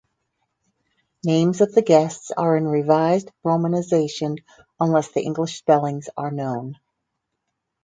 Names of the guests are in revised romanization unless the English spellings are known.